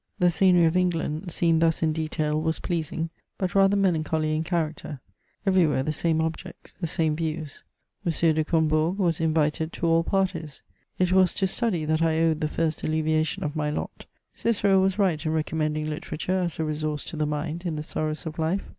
The scenery of England, seen thus in detail, was pleasing, but rather melancholy in cha racter — everywhere the same objects, the same views. M. de Combourg was invited to all parties. It was to study that I owed the first alleviation of my lot ; Cicero was right in re commending literature as a resource to the mind in the sorrows of life.